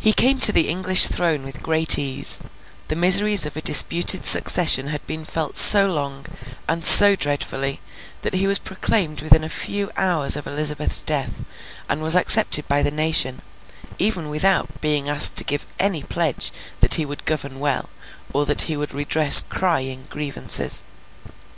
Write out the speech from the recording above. He came to the English throne with great ease. The miseries of a disputed succession had been felt so long, and so dreadfully, that he was proclaimed within a few hours of Elizabeth's death, and was accepted by the nation, even without being asked to give any pledge that he would govern well, or that he would redress crying grievances.